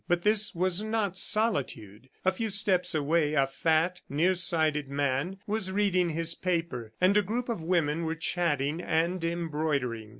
But this was not solitude. A few steps away, a fat, nearsighted man was reading his paper, and a group of women were chatting and embroidering.